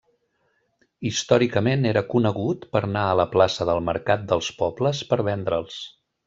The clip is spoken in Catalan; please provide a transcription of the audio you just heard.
Històricament era conegut per anar a la plaça del mercat dels pobles per vendre'ls.